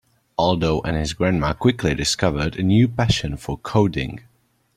Aldo and his grandma quickly discovered a new passion for coding.